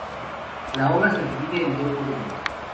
La obra se divide en dos volúmenes.